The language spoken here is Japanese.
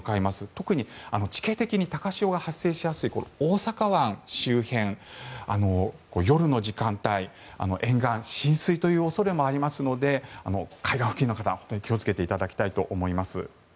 特に地形的に高潮が発生しやすい大阪湾周辺、夜の時間帯沿岸は浸水という恐れもありますので海岸付近の方本当に気をつけていただきたいと思います。